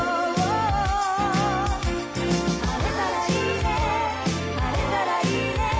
「晴れたらいいね晴れたらいいね」